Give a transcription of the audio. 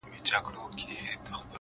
o سيدې يې نورو دې څيښلي او اوبه پاتې دي؛